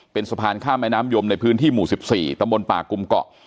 เป็นสะพานข้ามแม่น้ำยมในพื้นที่หมู่๑๔ตำบลป่ากุมเกาะ